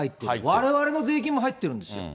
われわれの税金も入ってるんですよ。